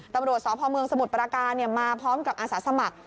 ตำรวจสพเมืองสมุทรปราการมาพร้อมกับอาสาสมัคร